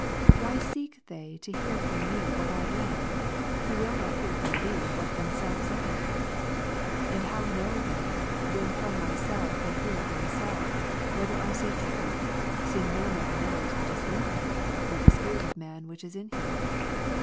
Why seek they to hear from me what I am; who will not hear from Thee what themselves are ? And how know they, when from myself they hear of myself, whether I say true ; seeing no man knoivs ivhal is in \ Cor. nia?i, but the spirit of man which is in him?